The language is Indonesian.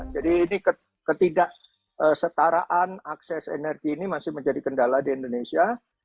ini ketidaksetaraan akses energi ini masih menjadi kendala di indonesia